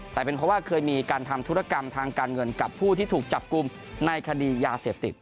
แต่เป็นเพราะว่าเคยมีการทำธุรกรรมทางการเงินกับผู้ที่ถูกจับกลุ่มในคดียาเสพติด